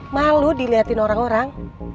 malu diliatin orang orang